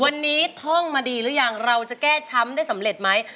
วันนี้ท่องมาดีหรือยังเราจะแก้ช้ำได้สำเร็จไหม